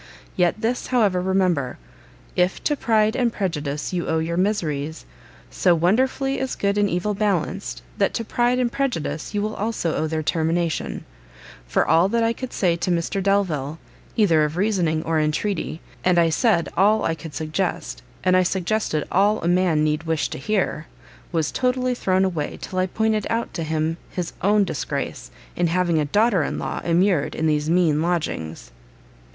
Yet this, however, remember; if to PRIDE and PREJUDICE you owe your miseries, so wonderfully is good and evil balanced, that to PRIDE and PREJUDICE you will also owe their termination: for all that I could say to Mr Delvile, either of reasoning or entreaty, and I said all I could suggest, and I suggested all a man need wish to hear, was totally thrown away, till I pointed out to him his own disgrace, in having a daughter in law immured in these mean lodgings!